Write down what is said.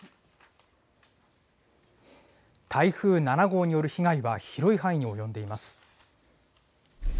台風７号による被害は、広い範囲に及んでいます。